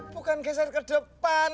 bukan geser ke depan